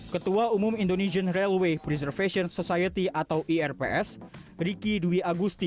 ketua umum indonesian railway preservation society atau irps riki dwi agusti